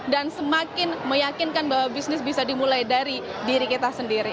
dan semakin meyakinkan bahwa bisnis bisa dimulai dari diri kita sendiri